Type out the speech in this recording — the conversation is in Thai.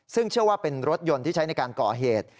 ซึ่งเชื่อว่าเป็นรถยนต์ที่ใช้ในการก่อเหตุ